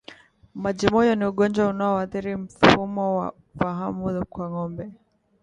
Majimoyo ni ugonjwa unaoathiri mfumo wa fahamu kwa ngombe